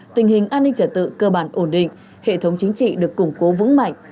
tình hình an ninh trả tự cơ bản ổn định hệ thống chính trị được củng cố vững mạnh